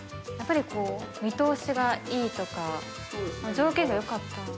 やっぱりこう見通しがいいとか条件がよかった？